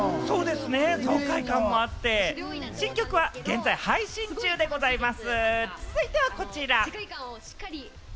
そうですね、爽快感もあって、新曲は現在配信中でございます。